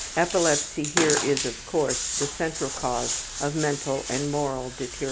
Epilepsy here is, of course, the central cause of mental and moral deterioration.